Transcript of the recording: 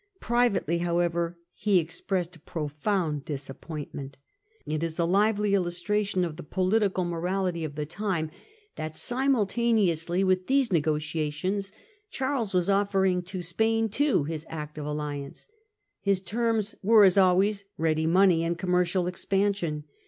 Privately, however, he expressed profound disappointment. It is a lively illustration of the political morality of the time, that simultaneously with these negotiations Proposals to Charlcs v/as offering to Spain too his active Spain alliance. His terms were, as always, ready rejecte . mone y an( j commercial expansion.